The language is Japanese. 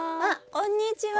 こんにちは。